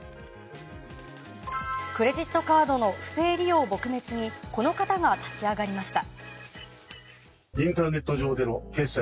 クレジットカードの不正利用撲滅にこの方が立ち上がりました。